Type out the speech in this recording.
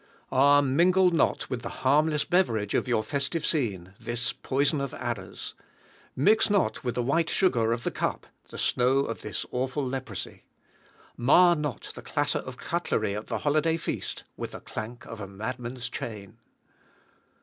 Ah! mingle not with the harmless beverage of your festive scene this poison of adders! Mix not with the white sugar of the cup the snow of this awful leprosy! Mar not the clatter of cutlery at the holiday feast with the clank of a madman's chain!